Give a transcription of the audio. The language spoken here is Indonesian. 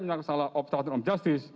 menyaksa salah oj